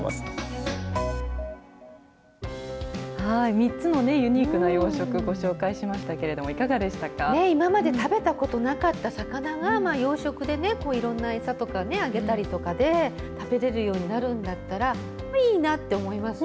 ３つのね、ユニークな養殖、ご紹介しましたけれども、いかが今まで食べたことなかった魚が、養殖で、いろんな餌とかあげたりとかで、食べれるようになるんだったら、いいなって思いますね。